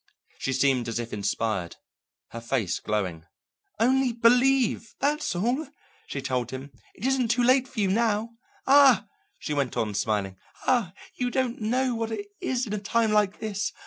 She seemed as if inspired, her face glowing. "Only believe; that's all," she told him. "It isn't too late for you now. Ah," she went on, smiling, "ah, you don't know what it is in a time like this!